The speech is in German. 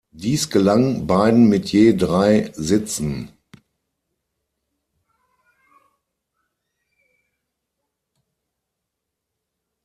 Dies gelang beiden mit je drei Sitzen.